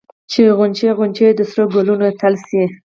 چې غونچې غونچې د سرو ګلونو ټل شي